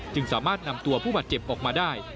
สามารถนำตัวผู้บาดเจ็บออกมาได้